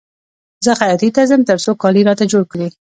زه خیاطۍ ته ځم تر څو کالي راته جوړ کړي